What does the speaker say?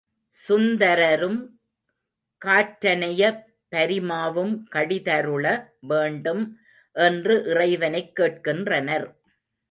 சுந்தரரும், காற்றனைய பரிமாவும் கடி தருள வேண்டும் என்று இறைவனைக் கேட்கின்றனர்.